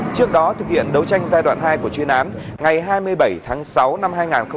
trước đó thực hiện đấu tranh giai đoạn hai của chuyên án ngày hai mươi bảy tháng sáu năm hai nghìn hai mươi ba